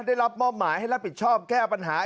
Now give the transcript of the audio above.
ได้รับมอบหมายให้รับผิดชอบแก้ปัญหา